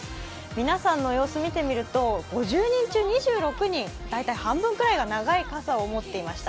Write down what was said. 皆さんの様子見てみると５０人中２６人、大体半分ぐらいが長い傘を持っていました。